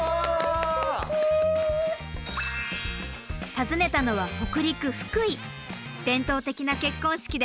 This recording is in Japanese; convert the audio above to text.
訪ねたのは北陸・福井！